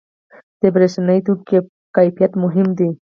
• د برېښنايي توکو کیفیت مهم دی.